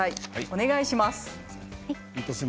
お願いします。